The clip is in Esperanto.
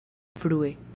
frue